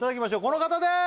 この方です！